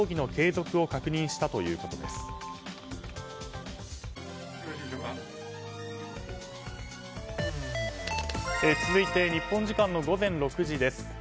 続いて日本時間の午前６時です。